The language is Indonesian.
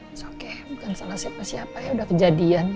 it's okay bukan salah siapa siapa ya udah kejadian